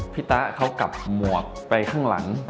ตะเขากลับหมวกไปข้างหลัง